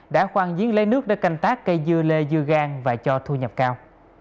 đã khoan diến lấy nước để canh tác cây dưa lê dưa gan và cho thu nhập cao